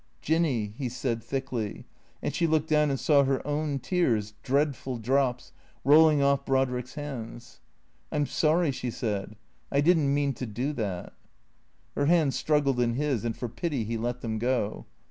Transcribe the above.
" Jinny," he said thickly, and she looked down and saw her own tears, dreadful drops, rolling off Brodrick's hands. " I 'm sorry," she said. " I did n't mean to do that." Her hands struggled in his, and for pity he let them go.